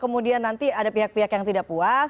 kemudian nanti ada pihak pihak yang tidak puas